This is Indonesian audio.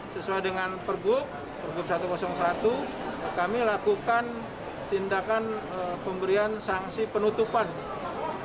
sesuai dengan pergub satu ratus satu kami lakukan tindakan pemberian sanksi penutupan satu x dua puluh empat jam manajer